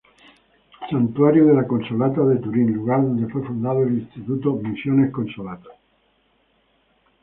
Santuario de la Consolata de Turín, lugar donde fue fundado el Instituto Misiones Consolata.